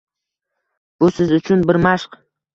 Bu siz uchun bir mashq